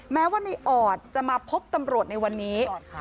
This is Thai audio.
แม้ว่าในออดจะมาพบตำรวจในวันนี้